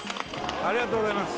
ありがとうございます